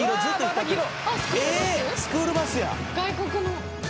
「スクールバスや！」